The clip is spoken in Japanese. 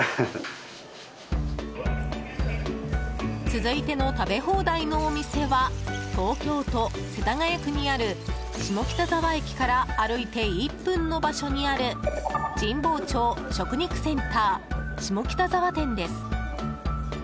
続いての食べ放題のお店は東京都世田谷区にある下北沢駅から歩いて１分の場所にある神保町食肉センター下北沢店です。